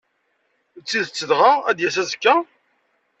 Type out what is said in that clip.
D tidet dɣa, ad d-yas azekka?